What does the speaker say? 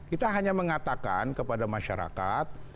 kita hanya mengatakan kepada masyarakat